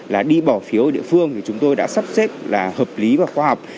là đi bỏ phiếu ở địa phương thì chúng tôi đã sắp xếp là hợp lý và khoa học